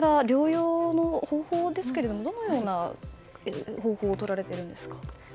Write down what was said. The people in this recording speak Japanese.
それから、療養の方法ですけどもどのような方法をとられてるんですか？